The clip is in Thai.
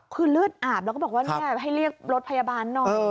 คือเลือดอาบแล้วก็บอกว่าให้เรียกรถพยาบาลหน่อย